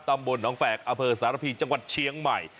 ตำบลหนองแฝกอเภอสารพีจังหวัดเชียงใหม่